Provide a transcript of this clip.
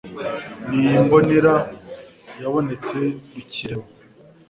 Ni imbonera yabonetse rukirema;